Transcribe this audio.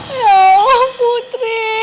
ya allah putri